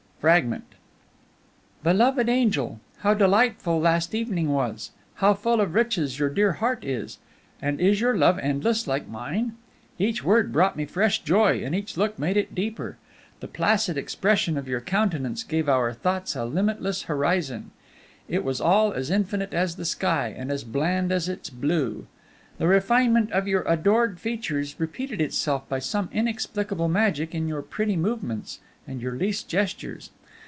FRAGMENT. "Beloved angel, how delightful last evening was! How full of riches your dear heart is! And is your love endless, like mine? Each word brought me fresh joy, and each look made it deeper. The placid expression of your countenance gave our thoughts a limitless horizon. It was all as infinite as the sky, and as bland as its blue. The refinement of your adored features repeated itself by some inexplicable magic in your pretty movements and your least gestures.